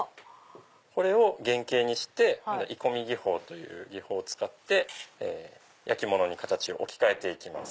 これを原型にして鋳込み技法という技法を使って焼き物に形を置き換えます。